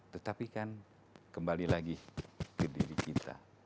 tetapi kan kembali lagi ke diri kita